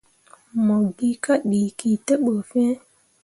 Mo gi kaa dǝkǝ te ɓu fiŋ.